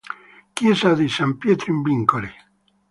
Chiesa di San Pietro in Vincoli